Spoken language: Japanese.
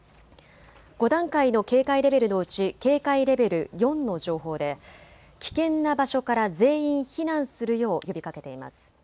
５段階の警戒レベルのうち警戒レベル４の情報で危険な場所から全員避難するよう呼びかけています。